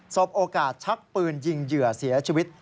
บโอกาสชักปืนยิงเหยื่อเสียชีวิต